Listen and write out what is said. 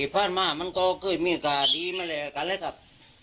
เป็นกรณีฆ่ากันอะไรแบบนี้แหละครับ